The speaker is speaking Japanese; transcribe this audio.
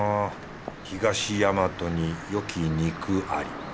東大和によき肉あり。